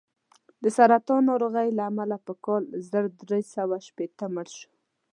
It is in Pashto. د سرطان ناروغۍ له امله په کال زر درې سوه شپېته مړ شو.